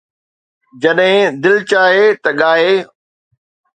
جڏهن دل چاهي ته ڳائي